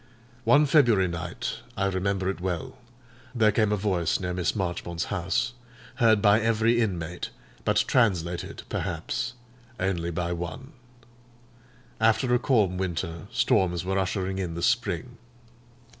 One February night—I remember it well—there came a voice near Miss Marchmont's house, heard by every inmate, but translated, perhaps, only by one. After a calm winter, storms were ushering in the spring.